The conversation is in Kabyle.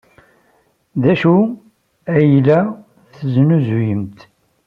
D acu ay la tesnuzuyemt?